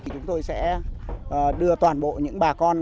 chúng tôi sẽ đưa toàn bộ những bà con